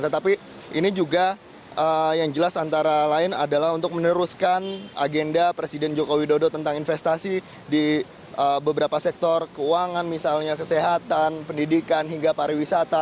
tetapi ini juga yang jelas antara lain adalah untuk meneruskan agenda presiden joko widodo tentang investasi di beberapa sektor keuangan misalnya kesehatan pendidikan hingga pariwisata